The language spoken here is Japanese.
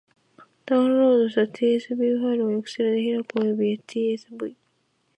ダウンロードした tsv ファイルを Excel で開く方法及び tsv ...